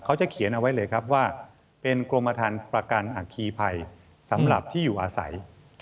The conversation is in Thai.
เขาจะเขียนเอาไว้เลยครับว่าเป็นกรมฐานประกันอัคคีภัยสำหรับที่อยู่อาศัย